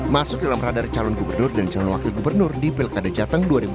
masuk dalam radar calon gubernur dan calon wakil gubernur di pilih kedai jateng dua ribu dua puluh empat